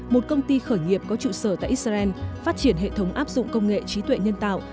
một công ty khởi nghiệp có trụ sở tại israel phát triển hệ thống áp dụng công nghệ trí tuệ nhân tạo